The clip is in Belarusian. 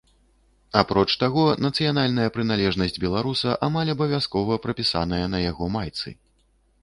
Апроч таго, нацыянальная прыналежнасць беларуса амаль абавязкова прапісаная на яго майцы.